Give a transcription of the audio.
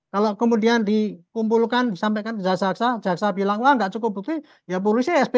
kalau kemudian dikumpulkan disampaikan jaksa jaksa bilang wah nggak cukup bukti ya polisi sp